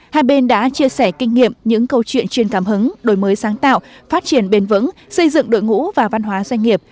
hai bên đã chia sẻ kinh nghiệm những câu chuyện chuyên cảm hứng đổi mới sáng tạo phát triển bền vững xây dựng đội ngũ và văn hóa doanh nghiệp